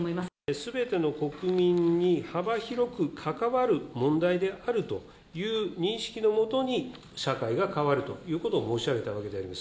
すべての国民に幅広く関わる問題であるという認識の下に、社会が変わるということを申し上げたわけであります。